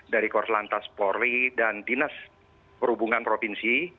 dari kors lantas polri dan dinas perhubungan provinsi